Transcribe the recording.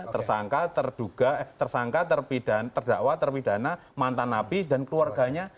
tersangka terdakwa terpidana mantan napi dan keluarganya